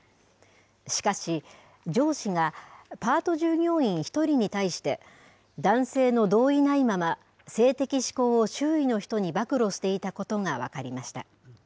しかし、上司がパート従業員１人に対して、男性の同意ないまま性的指向を周囲の人に暴露していたことが分かりました。